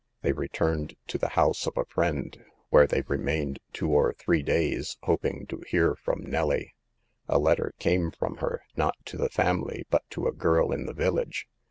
They returned to the house of a friend, where they remained two or three days, hoping to hear from Nelly. A letter came from her,°not to her family, but to a girl in the village.